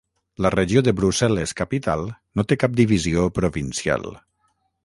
La regió de Brussel·les-Capital no té cap divisió provincial.